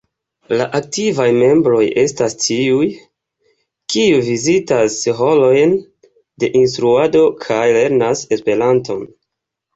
La aktivaj membroj estas tiuj, kiuj vizitas horojn de instruado kaj lernas Esperanton.